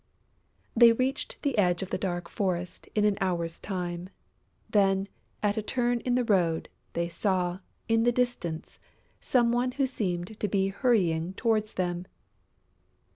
They reached the edge of the dark forest in an hour's time. Then, at a turn in the road, they saw, in the distance, some one who seemed to be hurrying towards them.